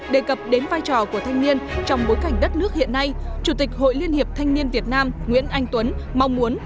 đề cập đến vai trò của thanh niên trong bối cảnh đất nước hiện nay chủ tịch hội liên hiệp thanh niên việt nam nguyễn anh tuấn mong muốn